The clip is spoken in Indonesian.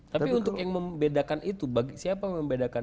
tapi untuk yang membedakan itu siapa yang membedakan